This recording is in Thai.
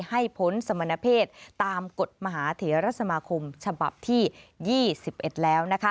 ให้พ้นสมณเพศตามกฎมหาเถระสมาคมฉบับที่๒๑แล้วนะคะ